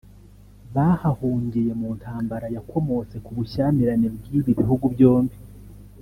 bahahungiye mu ntambara yakomotse ku bushyamirane bw’ibi bihugu byombi